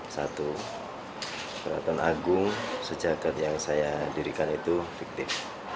satu keraton agung sejagat yang saya dirikan itu fiktif